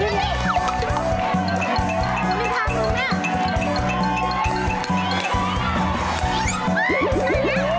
เหนื่อยจริงนะเหนื่อยจริง